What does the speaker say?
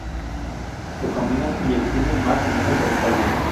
Se combinan y extienden más o menos verticalmente.